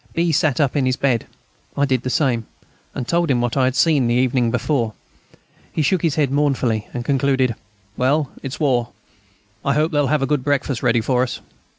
B. sat up in his bed. I did the same, and told him what I had seen the evening before. He shook his head mournfully, and concluded: "Well, ... it's war.... I hope they'll have a good breakfast ready for us."